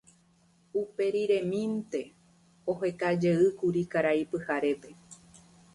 Uperiremínte ohekajeýkuri Karai Pyharépe.